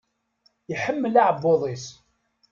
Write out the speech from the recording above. Iḥemmel aɛebbuḍ-is.